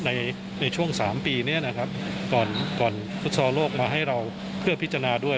ในช่วง๓ปีนี้นะครับก่อนก่อนฟุตซอลโลกมาให้เราเพื่อพิจารณาด้วย